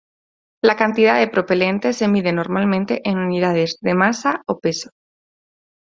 La cantidad de propelente se mide normalmente en unidades de masa o peso.